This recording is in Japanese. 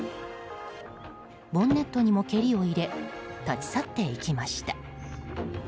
ボンネットにも蹴りを入れ立ち去っていきました。